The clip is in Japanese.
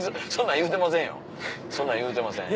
そんなん言うてませんよ